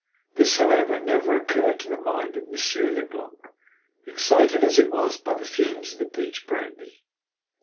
This, however, never occurred to the mind of Monsieur Leblanc, excited as it was by the fumes of the peach brandy.